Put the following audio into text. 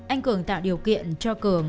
anh cường tạo điều kiện cho cường